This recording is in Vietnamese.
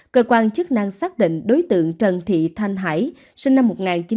cơ quan chức năng xác định đối tượng trần thị thanh hải sinh năm một nghìn chín trăm chín mươi